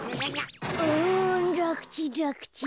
うんらくちんらくちん。